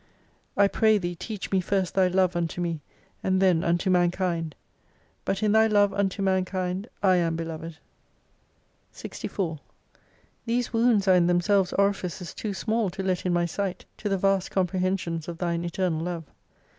I pray Thee teach me first Thy love unto me, and then unto mankind ! But in Thy love unto man kind I am beloved. 45 64 These wounds are in themselves orifices too small to let in my sight, to the vast comprehensions of Thine eternal love.